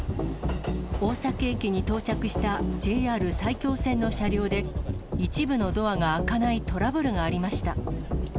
大崎駅に到着したＪＲ埼京線の車両で、一部のドアが開かないトラブルがありました。